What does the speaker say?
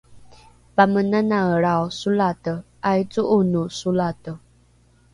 pamenanaelrao solate ’aaico’ono solate